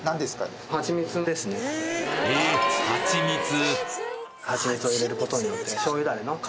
えっハチミツ！？